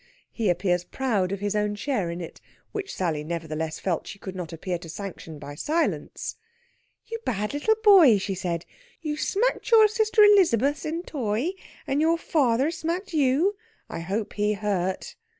He appears proud of his own share in it, which Sally nevertheless felt she could not appear to sanction by silence. "You bad little boy," she said. "You smacked your sister Elizabeth in t' oy, and your foarther smacked you. I hope he hurt."